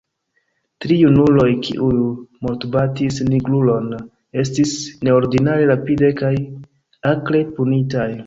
Tri junuloj, kiuj mortbatis nigrulon, estis neordinare rapide kaj akre punitaj.